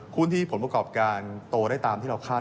หุ้นที่ผลประกอบการโตได้ตามที่เราคาด